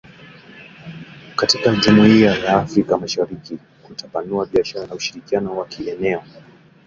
katika jamuia ya Afrika mashariki kutapanua biashara na ushirikiano wa kieneo